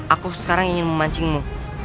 aku sekarang ingin memancingmu